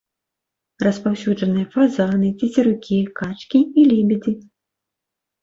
Распаўсюджаныя фазаны, цецерукі, качкі і лебедзі.